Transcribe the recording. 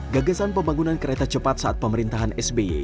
gagasan pembangunan kereta cepat saat pemerintahan sby